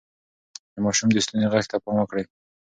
د ماشوم د ستوني غږ ته پام وکړئ.